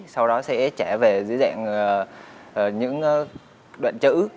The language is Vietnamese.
sau đó sẽ trẻ về dưới dạng những đoạn chữ